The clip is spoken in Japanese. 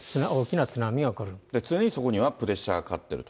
常にそこにはプレッシャーがかかってると。